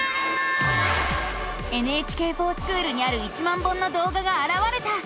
「ＮＨＫｆｏｒＳｃｈｏｏｌ」にある１万本の動画があらわれた！